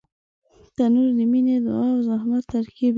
تنور د مینې، دعا او زحمت ترکیب دی